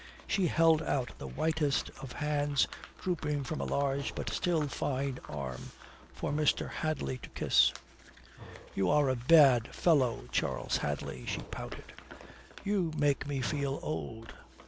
She held out the whitest of hands drooping from a large but still fine arm for Mr. Hadley to kiss. "You are a bad fellow, Charles Hadley," she pouted. "You make me feel old."